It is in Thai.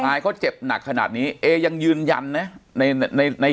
อายเขาเจ็บหนักขนาดนี้เอยังยืนยันนะในใน